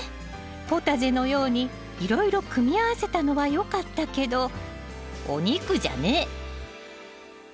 ポタジェのようにいろいろ組み合わせたのはよかったけどお肉じゃねえ。